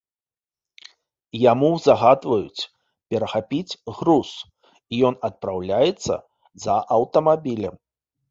Яму загадваюць перахапіць груз, і ён адпраўляецца за аўтамабілем.